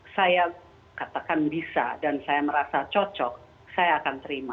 saya katakan bisa dan saya merasa cocok saya akan terima